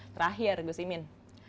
terakhir gus imin